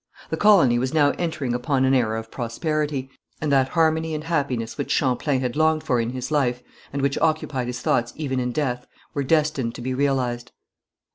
The colony was now entering upon an era of prosperity, and that harmony and happiness which Champlain had longed for in his life, and which occupied his thoughts even in death, were destined to be realized.